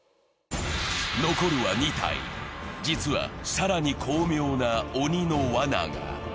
残るは２体、実は更に巧妙な鬼のわなが。